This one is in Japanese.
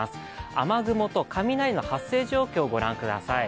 雨雲と雷の発生状況をご覧ください。